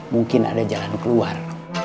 mungkin ada jalan keluar